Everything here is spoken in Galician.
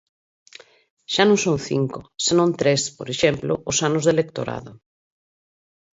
Xa non son cinco, senón tres, por exemplo, os anos de lectorado.